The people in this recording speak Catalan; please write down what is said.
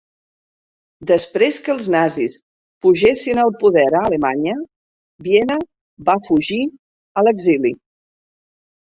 Després que els nazis pugessin al poder a Alemanya, Viena va fugir a l'exili.